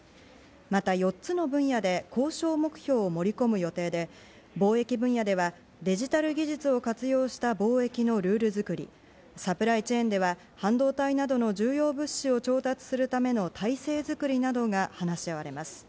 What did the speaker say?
また４つの分野で交渉目標を盛り込む予定で、貿易分野ではデジタル技術を活用した貿易のルールづくり、サプライチェーンでは半導体などの重要物資を調達するための体制づくりなどが話し合われます。